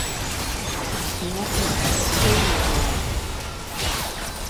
Iñaki, eseri lurrean.